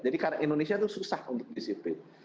jadi karena indonesia itu susah untuk disiplin